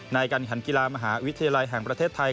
ในการขันกีฬามหาวิทยาลัยแห่งประเทศไทย